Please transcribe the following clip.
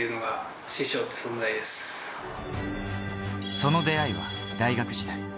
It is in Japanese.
その出会いは大学時代。